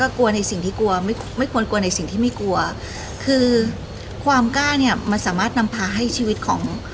กลัวในสิ่งที่กลัวไม่ไม่ควรกลัวในสิ่งที่ไม่กลัวคือความกล้าเนี่ยมันสามารถนำพาให้ชีวิตของ